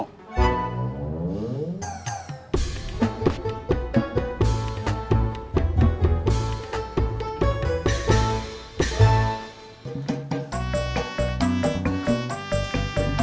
bojengnya bubur mau